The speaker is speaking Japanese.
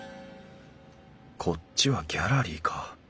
こっちはギャラリーか。